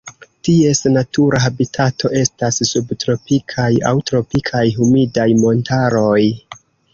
Ties natura habitato estas subtropikaj aŭ tropikaj humidaj montaroj.